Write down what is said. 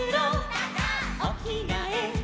「おきがえ」